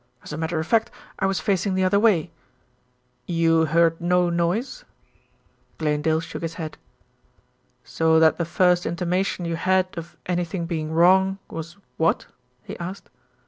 As a matter of fact, I was facing the other way." "You heard no noise?" Glanedale shook his head. "So that the first intimation you had of anything being wrong was what?" he asked.